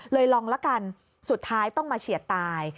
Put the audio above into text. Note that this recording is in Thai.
ลองละกันสุดท้ายต้องมาเฉียดตาย